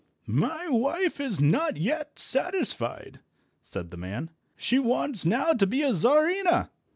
"My wife is not yet satisfied," said the man; "she wants now to be a Czarina."